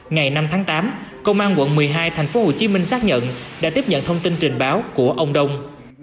ngày năm tháng tám công an quận một mươi hai tp hcm xác nhận đã tiếp nhận thông tin trình báo của ông đông